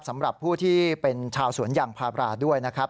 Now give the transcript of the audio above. สำหรับผู้ที่เป็นชาวสวนยางพาบราด้วยนะครับ